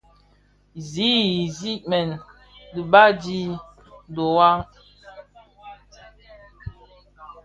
Zi isigmèn bidaabi dhiwa.